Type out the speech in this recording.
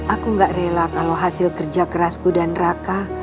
aku gak rela kalau hasil kerja kerasku dan raka